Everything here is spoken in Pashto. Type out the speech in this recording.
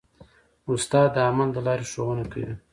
استاد د عمل له لارې ښوونه کوي.